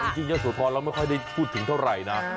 จริงยะโสธรเราไม่ค่อยได้พูดถึงเท่าไหร่นะ